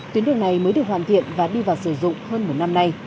tuyến đường này mới được hoàn thiện và đưa vào sử dụng hơn một năm nay